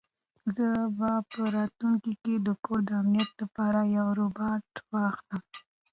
زه به په راتلونکي کې د کور د امنیت لپاره یو روبوټ واخلم.